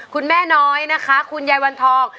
คุณแม่น้อยนะคะคุณยายวันทอง